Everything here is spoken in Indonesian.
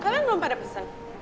kalian belum pada pesen